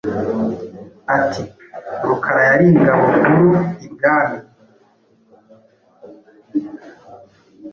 Ati“ Rukara yari ingabo nkuru i Bwami,